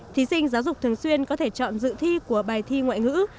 thí sinh giáo dục thường xuyên có thể chọn dự thi của bài thi ngoại ngữ